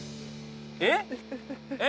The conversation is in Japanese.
えっ？